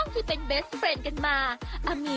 แต่เห็นว่าเทะอยากกินไง